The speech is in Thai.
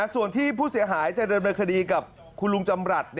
ส่วนที่ผู้เสียหายจะดำเนินคดีกับคุณลุงจำรัฐ